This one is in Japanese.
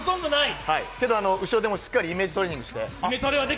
けど後ろでもしっかりイメージトレーニングして。